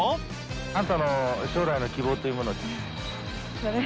あなたの将来の希望というものは？